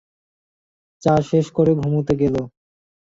চা শেষ করে ঘুমুতে গেল।